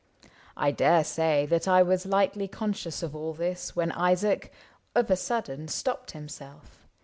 I dare say That I was lightly conscious of all this When Isaac, of a sudden, stopped himself.